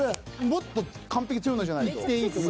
もっと完璧強いのじゃないと。